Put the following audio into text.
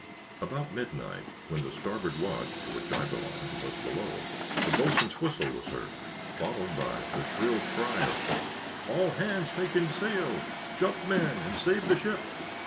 About midnight, when the starboard watch, to which I belonged, was below, the boatswain's whistle was heard, followed by the shrill cry of "All hands take in sail! jump, men, and save the ship!"